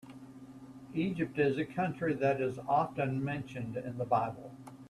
Egypt is a country that is often mentioned in the Bible.